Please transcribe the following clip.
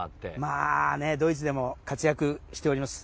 ドイツでも活躍しております